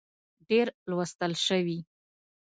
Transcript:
ډېر لوستل شوي